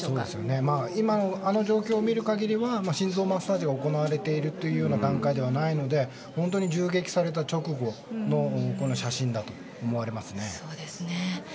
あの状況を見る限りでは心臓マッサージが行われているという段階ではないので本当に銃撃された直後の写真だと思われますね。